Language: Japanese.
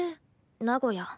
名古屋。